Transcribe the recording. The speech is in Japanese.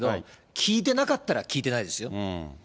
聞いてなかったら、聞いてないですよ。